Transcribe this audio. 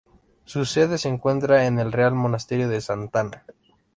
Su sede se encuentra en el Real Monasterio de Santa Ana.